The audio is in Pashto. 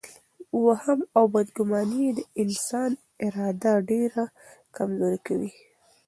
وهم او بدګماني د انسان اراده ډېره کمزورې کوي.